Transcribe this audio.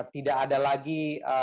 tidak ada lagi